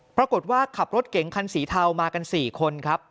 ปรากฏว่าขับรถเก๋งคันสีเทามากัน๔คนครับ